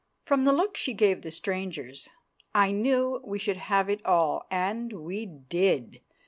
From the look she gave the strangers, I knew we should have it all, and we did!